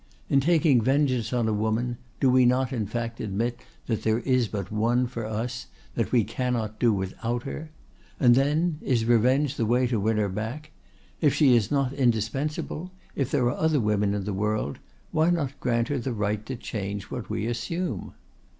In taking vengeance on a woman, do we not in fact admit that there is but one for us, that we cannot do without her? And, then, is revenge the way to win her back? If she is not indispensable, if there are other women in the world, why not grant her the right to change which we assume?